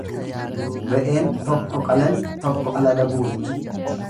Re'een tokko qalani tokko alala guurti.